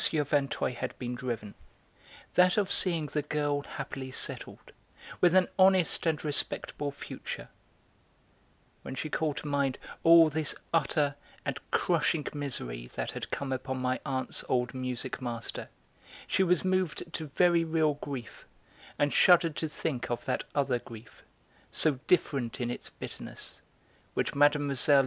Vinteuil had been driven, that of seeing the girl happily settled, with an honest and respectable future; when she called to mind all this utter and crushing misery that had come upon my aunts' old music master, she was moved to very real grief, and shuddered to think of that other grief, so different in its bitterness, which Mlle.